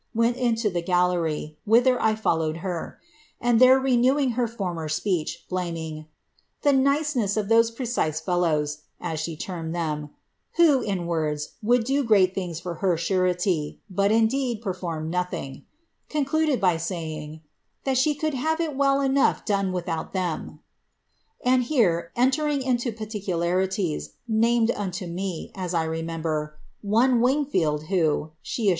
went inlo the gallery, whither ] followeii her; and there renew ing her former speech, hlaming ^ the niceness of those precise fellii<r*. (as she termed them,) who, in words, would do great things for bet surety, but, indeed, perform nothing,' concluded by saying, 'that shs could have it well enough dune without iheni.' And here, entering into parlkularilks, named unto me, as 1 remember, 'one Wingfield, who,' she as.